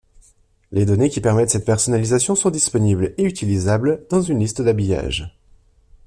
Les données qui permettent cette personnalisation sont disponibles et utilisables dans une liste d'habillages.